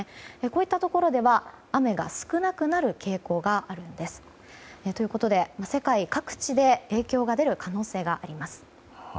こういったところでは雨が少なくなる傾向があるんです。ということで世界各地で影響が出る可能性があります。